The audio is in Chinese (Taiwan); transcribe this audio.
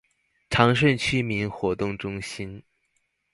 長順區民活動中心